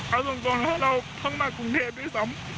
เอาส่วนตัวเราเพิ่งมากรุงเทพฯด้วยซ้ำ